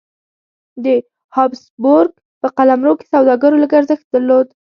د هابسبورګ په قلمرو کې سوداګرو لږ ارزښت درلود.